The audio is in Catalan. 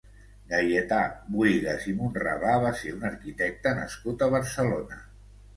Gaietà Buïgas i Monravà va ser un arquitecte nascut a Barcelona.